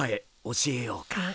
教えようか。